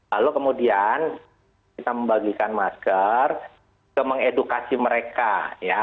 lalu kemudian kita membagikan masker ke mengedukasi mereka ya